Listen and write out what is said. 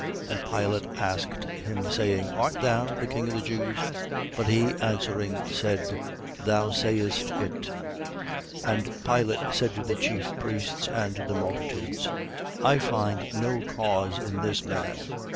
23:3. And Pilate asked him, saying: Art thou the king of the Jews? But he answering, said: Thou sayest it. 23:4. And Pilate said to the chief priests and to the multitudes: I find no cause in this man.